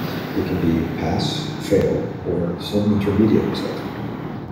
It can be "pass", "fail", or some intermediate result.